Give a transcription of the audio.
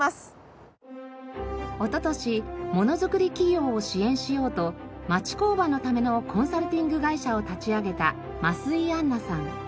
おととしものづくり企業を支援しようと町工場のためのコンサルティング会社を立ち上げた増井杏奈さん。